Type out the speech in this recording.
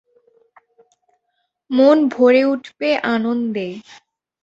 মন ভরে উঠবে আনন্দে।